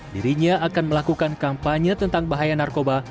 dirinya akan melakukan kampanye tentang bahaya narkoba